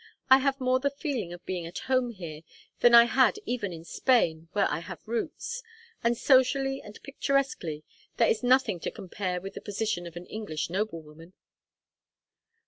I have more the feeling of being at home here than I had even in Spain, where I have roots. And socially and picturesquely, there is nothing to compare with the position of an English noblewoman."